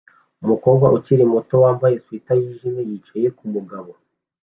Umukobwa ukiri muto wambaye swater yijimye yicaye kumugabo